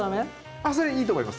あっそれいいと思います。